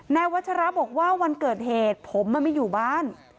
วัชระบอกว่าวันเกิดเหตุผมไม่อยู่บ้าน